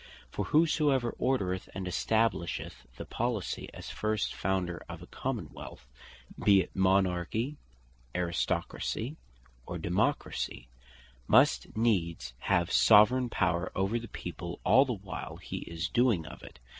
For whosoever ordereth, and establisheth the Policy, as first founder of a Common wealth (be it Monarchy, Aristocracy, or Democracy) must needs have Soveraign Power over the people all the while he is doing of it.